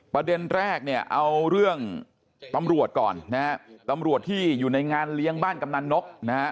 ประเด็นแรกเอาเรื่องตำรวจก่อนตำรวจที่อยู่ในงานเลี้ยงบ้านกำนานนก